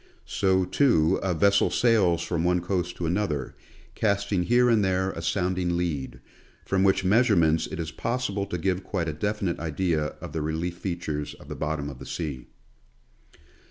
So, too, a vessel sails from one coast to another, cast ing here and there a sounding lead, from which measurements it is possible to give quite a definite idea of the relief features of the bottom of the sea.